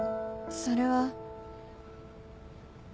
それは